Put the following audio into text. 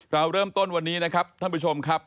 เราเริ่มต้นวันนี้นะครับท่านผู้ชมครับ